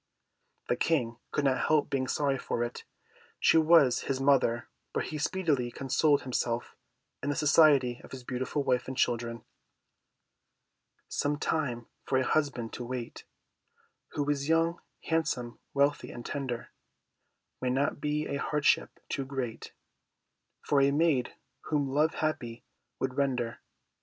The King could not help being sorry for it; she was his mother, but he speedily consoled himself in the society of his beautiful wife and children. Some time for a husband to wait Who is young, handsome, wealthy, and tender, May not be a hardship too great For a maid whom love happy would render.